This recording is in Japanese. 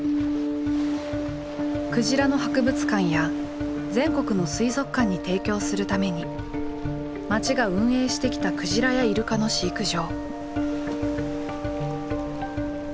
くじらの博物館や全国の水族館に提供するために町が運営してきたクジラやイルカの飼育場。